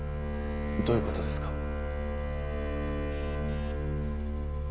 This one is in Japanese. どういうことですか？